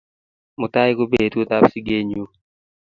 Mutai ko petut ap sigennyu